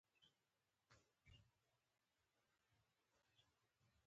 خدای دې استاد جنت کړي آمين يارب العالمين.